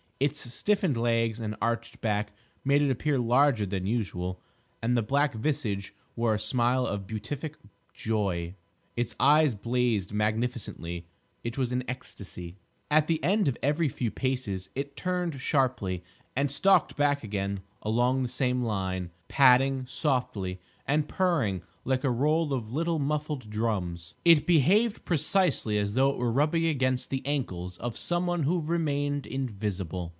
Its stiffened legs and arched back made it appear larger than usual, and the black visage wore a smile of beatific joy. Its eyes blazed magnificently; it was in an ecstasy. At the end of every few paces it turned sharply and stalked back again along the same line, padding softly, and purring like a roll of little muffled drums. It behaved precisely as though it were rubbing against the ankles of some one who remained invisible.